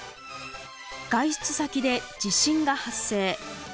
外出先で地震が発生。